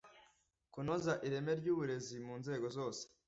kunoza ireme ry uburezi mu nzego zose